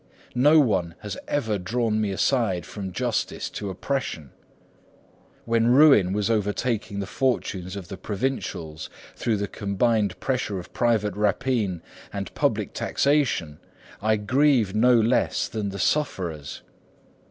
No one has ever drawn me aside from justice to oppression. When ruin was overtaking the fortunes of the provincials through the combined pressure of private rapine and public taxation, I grieved no less than the sufferers.